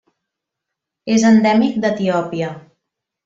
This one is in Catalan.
És endèmic d'Etiòpia.